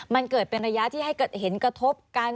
มันเกิดเป็นระยะที่ให้เห็นกระทบกัน